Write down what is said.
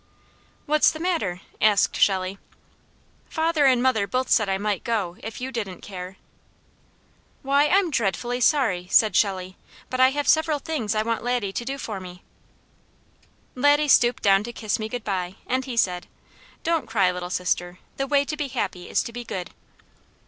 "What's the matter?" asked Shelley. "Father and mother both said I might go, if you didn't care." "Why, I'm dreadfully sorry," said Shelley, "but I have several things I want Laddie to do for me." Laddie stooped down to kiss me good bye and he said: "Don't cry, Little Sister. The way to be happy is to be good."